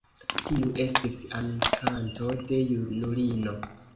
Tiu estis amkanto de junulino.